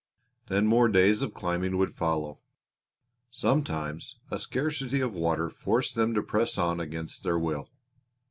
Then more days of climbing would follow. Sometimes a scarcity of water forced them to press on against their will.